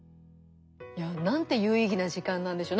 いやなんて有意義な時間なんでしょう。